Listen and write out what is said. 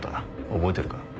覚えてるか？